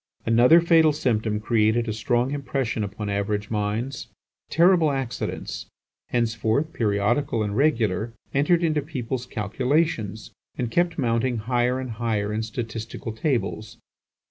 Another fatal symptom created a strong impression upon average minds. Terrible accidents, henceforth periodical and regular, entered into people's calculations, and kept mounting higher and higher in statistical tables.